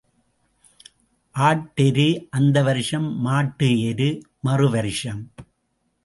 ஆட்டு எரு அந்த வருஷம் மாட்டு எரு மறு வருஷம்.